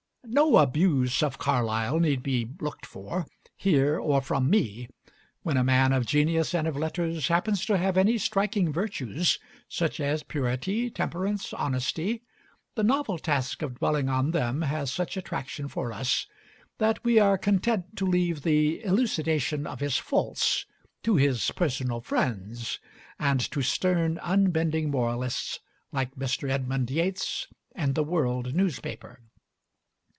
No abuse of Carlyle need be looked for, here or from me. When a man of genius and of letters happens to have any striking virtues, such as purity, temperance, honesty, the novel task of dwelling on them has such attraction for us that we are content to leave the elucidation of his faults to his personal friends, and to stern, unbending moralists like Mr. Edmund Yates and the World newspaper.